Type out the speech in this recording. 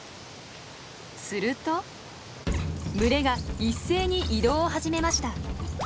すると群れが一斉に移動を始めました。